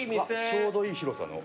ちょうどいい広さの。